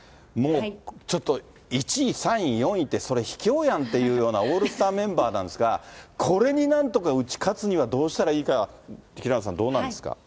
ちょっと１位、３位、４位ってそれ、ひきょうやんっていうようなオールスターメンバーなんですが、これになんとか打ち勝つにはどうしたらいいか、平野さん、どうなんですか？